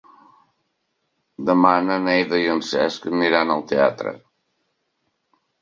Demà na Neida i en Cesc aniran al teatre.